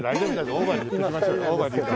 オーバーに言っときました。